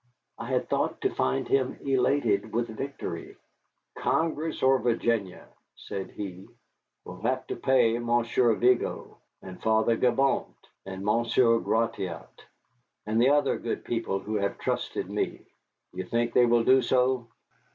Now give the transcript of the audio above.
I had thought to find him elated with victory. "Congress or Virginia," said he, "will have to pay Monsieur Vigo, and Father Gibault, and Monsieur Gratiot, and the other good people who have trusted me. Do you think they will do so?"